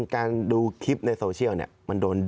การดูคลิปในโซเชียลเนี่ย